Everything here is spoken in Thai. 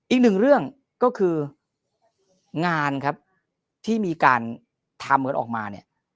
อีกหนึ่งเรื่องก็คืองานครับที่มีการทำกันออกมาเนี่ย